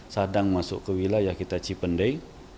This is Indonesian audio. sadang masuk ke wilayah kita cipendei